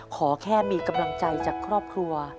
ขอแค่มีกำลังใจจากครอบครัว